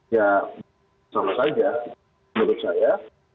ya sama saja menurut saya